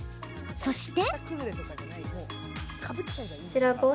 そして。